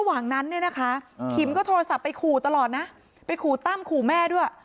ระหว่างนั้นเนี่ยนะคะขิมก็โทรศัพท์ไปขู่ตลอดนะไปขู่ตั้มขู่แม่ด้วย